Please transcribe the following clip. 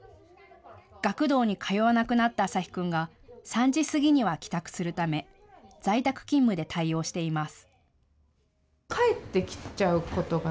学童に通わなくなった旭君が３時過ぎには帰宅するため在宅勤務で対応しています。